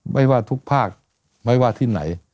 ไม่ว่าทุกภาคไม่ว่าที่ไหน